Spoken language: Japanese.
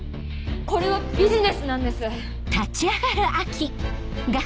これはビジネスなんです。